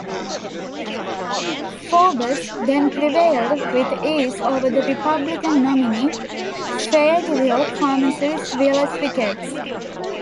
Faubus then prevailed with ease over the Republican nominee, Fayetteville pharmacist Willis Ricketts.